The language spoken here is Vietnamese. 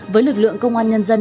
với lực lượng công an nhân dân